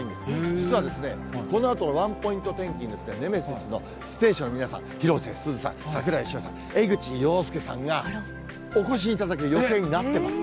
実はですね、このあと、ワンポイント天気に、ネメシスの出演者の皆さん、広瀬すずさん、櫻井翔さん、江口洋介さんが、お越しいただく予定になっています。